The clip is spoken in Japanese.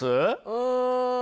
うん。